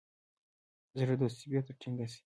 زړه دوستي بیرته ټینګه سي.